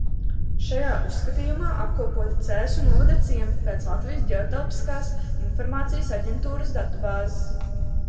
Šajā uzskatījumā apkopoti Cēsu novada ciemi pēc Latvijas Ģeotelpiskās informācijas aģentūras datubāzes.